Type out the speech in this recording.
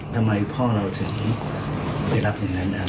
ทำไมพ่อเราถึงไปรับอย่างนั้น